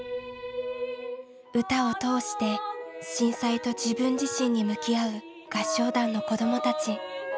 歌を通して震災と自分自身に向き合う合唱団の子どもたち。